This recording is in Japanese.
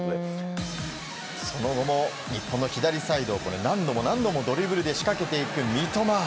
その後も日本の左サイド、これ、何度も何度もドリブルで仕掛けていく三笘。